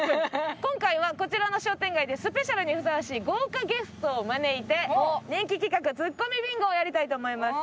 今回はこちらの商店街でスペシャルにふさわしい豪華ゲストを招いて人気企画ツッコミビンゴをやりたいと思います。